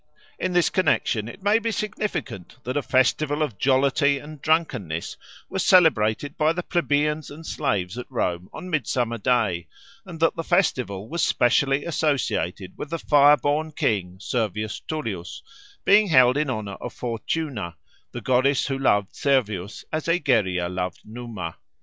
In this connexion it may be significant that a festival of jollity and drunkenness was celebrated by the plebeians and slaves at Rome on Midsummer Day, and that the festival was specially associated with the fireborn King Servius Tullius, being held in honour of Fortuna, the goddess who loved Servius as Egeria loved Numa.